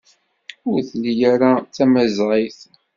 Ur ttili ara d tamaẓayt.